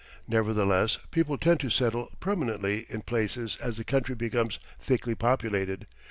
Nevertheless, people tend to settle permanently in places as the country becomes thickly populated.